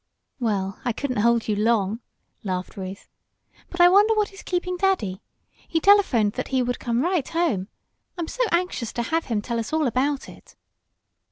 "Well, I couldn't hold you long," laughed Ruth. "But I wonder what is keeping daddy? He telephoned that he would come right home. I'm so anxious to have him tell us all about it!"